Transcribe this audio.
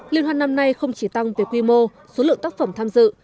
liên hoan năm nay không chỉ tăng về quy mô số lượng tác phẩm tham dự